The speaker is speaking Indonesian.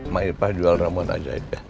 maipah jual ramuan ajaib